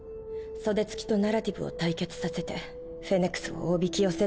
袖付きとナラティブを対決させてフェネクスをおびき寄せるために。